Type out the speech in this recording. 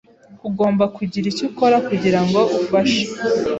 Ugomba kugira icyo ukora kugirango ufashe